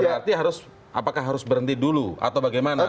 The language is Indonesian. berarti apakah harus berhenti dulu atau bagaimana